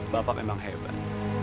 bapak memang hebat